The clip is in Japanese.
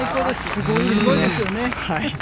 すごいですよね。